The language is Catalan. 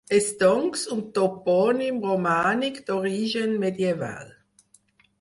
És, doncs, un topònim romànic d'origen medieval.